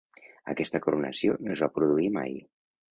Aquesta coronació no es va produir mai.